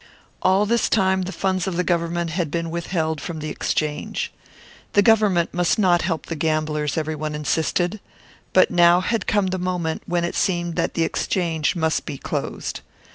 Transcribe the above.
All this time the funds of the Government had been withheld from the Exchange. The Government must not help the gamblers, everyone insisted. But now had come the moment when it seemed that the Exchange must be closed.